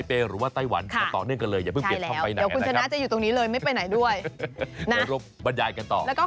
ทุกท่านเลยนะคะขอบคุณมากค่ะ